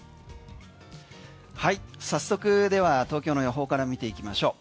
早速、では東京の予報から見ていきましょう。